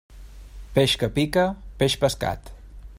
Peix que pica, peix pescat.